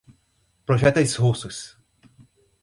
projéteis russos